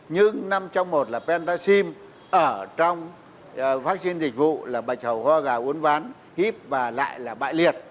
nhưng năm trong một là pentaxim ở trong vaccine dịch vụ là bạch hầu hoa gà uốn ván hiếp và lại là bại liệt